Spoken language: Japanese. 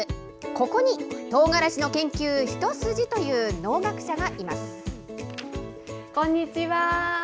ここに、トウガラシの研究一筋という農学者がいます。